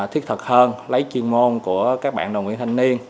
thiết thật hơn lấy chuyên môn của các bạn đồng viên thanh niên